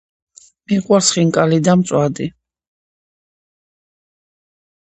მიყვარს ხინკალი და მწვადი